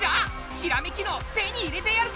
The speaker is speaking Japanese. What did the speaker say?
ひらめき脳手に入れてやるぜ！